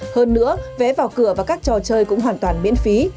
hơn nữa vé vào cửa và các trò chơi cũng hoàn toàn miễn phí